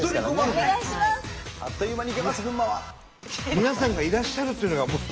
皆さんがいらっしゃるっていうのがもう。